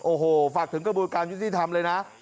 โอ้โหฝากถึงกระบวนการยุติธรรมเลยนะ